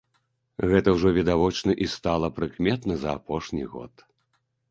Гэта ўжо відавочна і стала прыкметна за апошні год.